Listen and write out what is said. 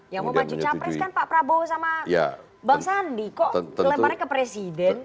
yang memacu capres kan pak prabowo sama bang sandi kok dilemarnya ke presiden